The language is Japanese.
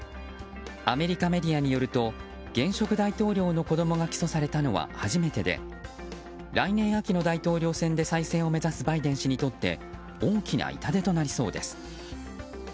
アメリカメディアによると現職大統領の子供が起訴されたのは初めてで来年秋の大統領選で再選を目指すバイデン氏にとって大きな痛手となりそうです。